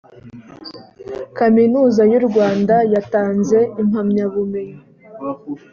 kaminuza y u rwanda yatanze impamyabumenyi .